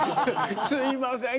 「すいません。